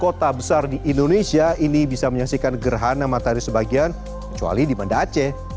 kota besar di indonesia ini bisa menyaksikan gerhana matahari sebagian kecuali di banda aceh